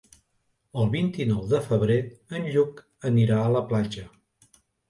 El vint-i-nou de febrer en Lluc anirà a la platja.